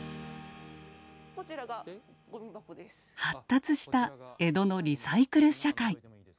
発達した江戸のリサイクル社会。